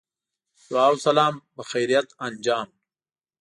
دعا و سلام بخیریت انجام.